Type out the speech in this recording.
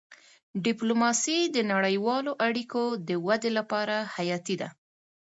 ډيپلوماسي د نړیوالو اړیکو د ودي لپاره حیاتي ده.